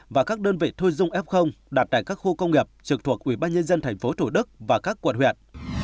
và các đơn vị thuê dung f đặt tại các khu công nghiệp trực thuộc ubnd tp thủ đức và các quận huyện